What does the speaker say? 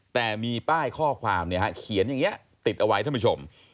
แต่มีป้ายข้อความเขียนอย่างนี้ติดเอาไว้ท่านผู้ชม